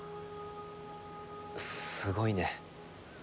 すごいね。